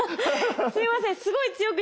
すいません。